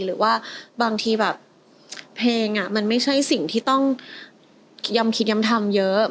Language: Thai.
หรือว่าบางทีแบบเพลงมันไม่ใช่สิ่งที่ต้องย้ำคิดย้ำทำเยอะ